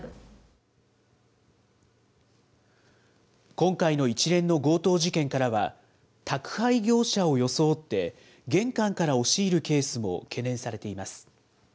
今回の一連の強盗事件からは、宅配業者を装って、玄関から押し入るケースも懸念されています。